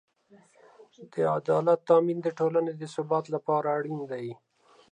د عدالت تأمین د ټولنې د ثبات لپاره اړین دی.